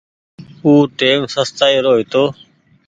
او ٽيم سستآئي رو هيتو۔